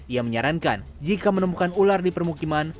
ia menyarankan jika menemukan ular di permukiman